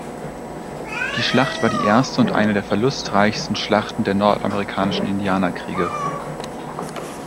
Die Schlacht war die erste und eine der verlustreichsten Schlachten der nordamerikanischen Indianerkriege.